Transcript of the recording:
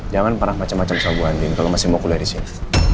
jangan parah macam macam sama bu andin kalau masih mau kuliah disini